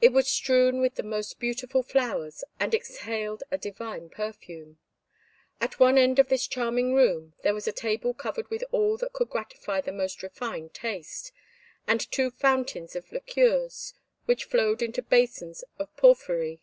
It was strewn with the most beautiful flowers, and exhaled a divine perfume. At one end of this charming room there was a table covered with all that could gratify the most refined taste, and two fountains of liqueurs which flowed into basins of porphyry.